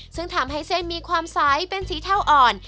ซึ่งทำให้เส้นมีความใสเป็นสีเทาอ่อน